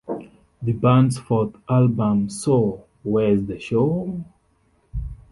The band's fourth album, So...Where's The Show?